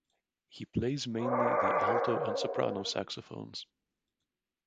He plays mainly the alto and soprano saxophones.